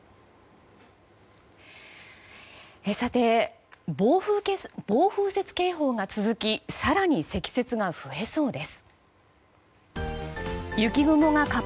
さて、暴風雪警報が続き更に積雪が増えそうです。